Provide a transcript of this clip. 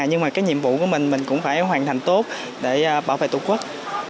nhưng mà cái nhiệm vụ của mình mình cũng phải hoàn thành tốt để bảo vệ tổ quốc